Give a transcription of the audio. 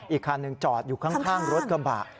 อีกคันหนึ่งจอดอยู่ข้างรถกระบะ